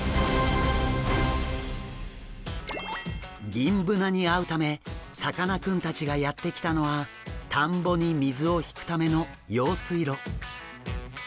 ギンブナに会うためさかなクンたちがやって来たのは田んぼに水を引くための用水路。